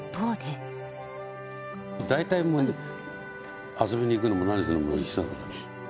大体もう、遊びに行くのも、何をするのも一緒だから。